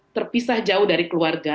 terpisah jauh dari keluarga